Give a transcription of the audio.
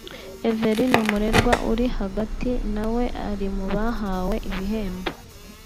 Evelyne Umurerwa (uri hagati) nawe ari mu bahawe ibihembo